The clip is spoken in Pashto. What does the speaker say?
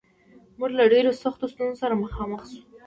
موږ له ډېرو سختو ستونزو سره مخامخ یو